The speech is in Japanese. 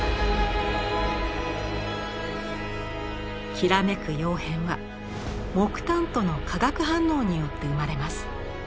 きらめく窯変は木炭との化学反応によって生まれます。